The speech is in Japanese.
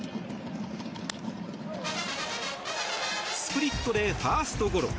スプリットでファーストゴロ。